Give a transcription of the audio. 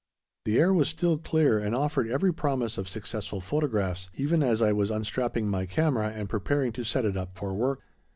The air was still clear and offered every promise of successful photographs, even as I was unstrapping my camera and preparing to set it up for work.